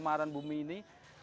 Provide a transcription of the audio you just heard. kemaran bumi ini